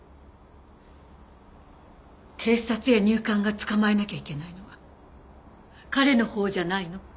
警察や入管が捕まえなきゃいけないのは彼のほうじゃないの？